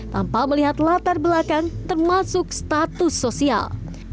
tanpa melihat latar belakang termasuk status sosial